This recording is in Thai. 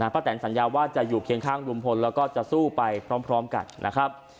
แตนสัญญาว่าจะอยู่เคียงข้างลุงพลแล้วก็จะสู้ไปพร้อมกันนะครับ